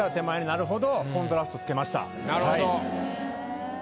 なるほど。